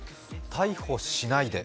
逮捕しないで。